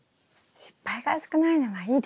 失敗が少ないのはいいですね。